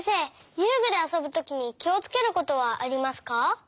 遊具であそぶときにきをつけることはありますか？